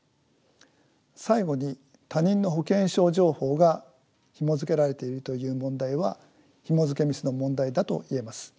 最後に他人の保険証情報がひもづけられているという問題はひもづけミスの問題だと言えます。